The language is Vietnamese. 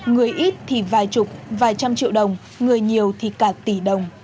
người ít thì vài chục vài trăm triệu đồng người nhiều thì cả tỷ đồng